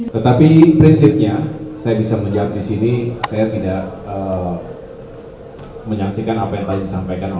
tentang terhadap kepala bd perkanahan nasional